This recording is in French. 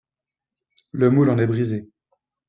Le moule en est brise